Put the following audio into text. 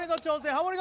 ハモリ